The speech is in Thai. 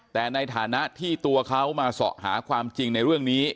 แต่ในฐานะที่ตัวเขามาสอบหาความจริงในเรื่องนี้